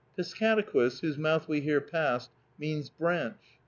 Piscataquis, whose mouth we here passed, means "branch."